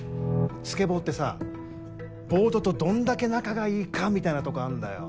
スケボーってさボードとどんだけ仲がいいかみたいなとこあんだよ